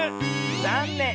ざんねん。